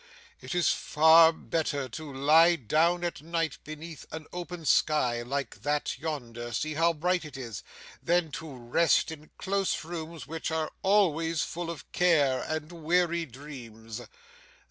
It is far better to lie down at night beneath an open sky like that yonder see how bright it is than to rest in close rooms which are always full of care and weary dreams.